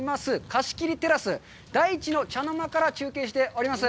貸し切りテラス、大地の茶の間から中継しております。